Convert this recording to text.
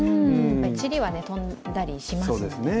チリは飛んだりしますもんね。